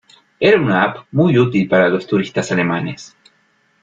Era una app muy útil para los turistas alemanes.